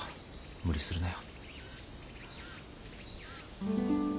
無理するなよ。